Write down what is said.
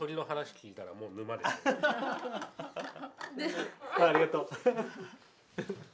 ありがとう。